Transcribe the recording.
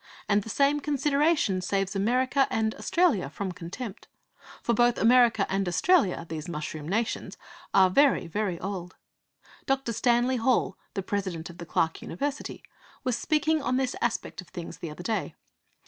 And that same consideration saves America and Australia from contempt. For both America and Australia these mushroom nations are very, very old. Dr. Stanley Hall, the President of the Clark University, was speaking on this aspect of things the other day.